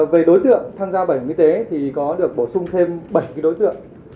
về đối tượng tham gia bệnh y tế thì có được bổ sung thêm bảy đối tượng